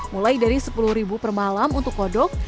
mulai dari sepuluh ribu per malam untuk kodok